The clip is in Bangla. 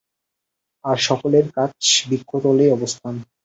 আর সকলের আজ বৃক্ষতলেই অবস্থান।